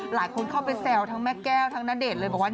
หลายคนเข้าไปแซวทั้งแม่แก้วทั้งณเดชน์เลยบอกว่า